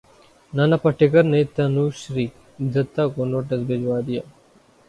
نانا پاٹیکر نے تنوشری دتہ کو نوٹس بھجوا دیا